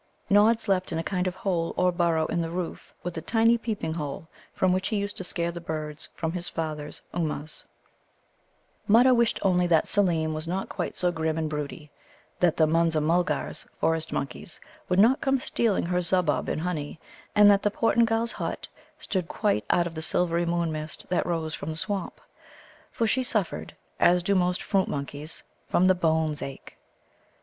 Nod slept in a kind of hole or burrow in the roof, with a tiny peeping hole, from which he used to scare the birds from his father's Ummuz. Mutta wished only that Seelem was not quite so grim and broody; that the Munza mulgars (forest monkeys) would not come stealing her Subbub and honey; and that the Portingal's hut stood quite out of the silvery moon mist that rose from the swamp; for she suffered (as do most fruit monkeys) from the bones ache.